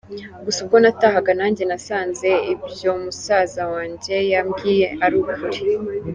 Gusa ubwo natahaga nanjye nasanze ibyo musaza wanjye yambwiye ari ukuri.